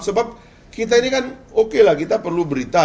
sebab kita ini kan oke lah kita perlu berita